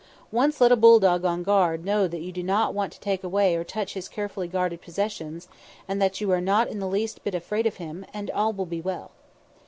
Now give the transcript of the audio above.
Once let a bulldog on guard know that you do not want to take away or touch his carefully guarded possessions, and that you are not in the least bit afraid of him, and all will be well.